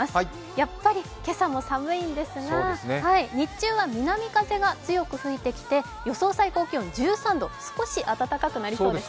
やっぱり今朝も寒いんですが日中は南風が強く吹いてきて予想最高気温、１３度、少し暖かくなりそうです。